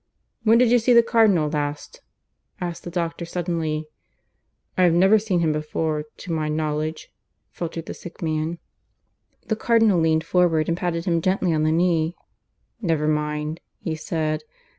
"When did you see the Cardinal last?" asked the doctor suddenly. "I have never seen him before, to my knowledge," faltered the sick man. The Cardinal leaned forward and patted him gently on the knee. "Never mind," he said.